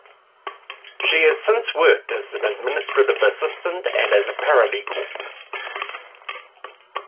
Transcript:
She has since worked as an administrative assistant and as a paralegal.